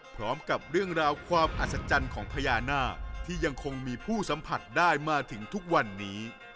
พร้อมกับเรื่องราวความอัศจรรย์ของพญานาคที่ยังคงมีผู้สัมผัสได้มาถึงทุกวันนี้